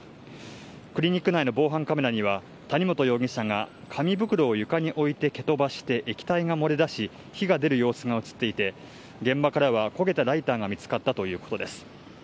クリニック内の防犯カメラには谷本容疑者が紙袋を床に置いて蹴飛ばして液体が漏れ出し、火が出る様子が写っていて、現場からは焦げたライターが見つかったということです。